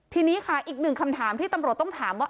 ทีนี้ค่ะอีกหนึ่งคำถามที่ตำรวจต้องถามว่า